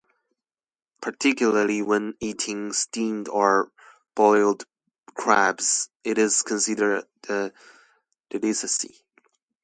Particularly when eating steamed or boiled crabs, it is considered a delicacy.